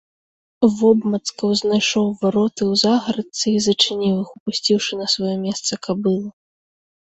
Вобмацкам знайшоў вароты ў загарадцы й зачыніў іх, упусціўшы на сваё месца кабылу.